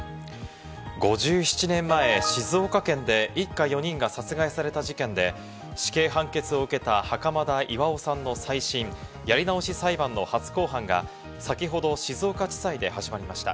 ５７年前、静岡県で一家４人が殺害された事件で死刑判決を受けた袴田巌さんの再審＝やり直し裁判の初公判が先ほど静岡地裁で始まりました。